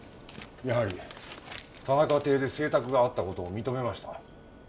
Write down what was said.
やはり田中邸で請託があった事を認めました。